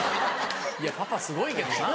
いやパパすごいけどな。